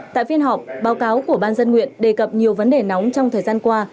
tại phiên họp báo cáo của ban dân nguyện đề cập nhiều vấn đề nóng trong thời gian qua